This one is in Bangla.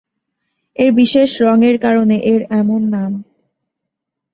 এর বিশেষ রঙ এর কারণে এর এমন নাম।